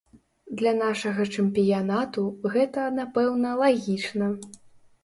Для нашага чэмпіянату гэта, напэўна, лагічна.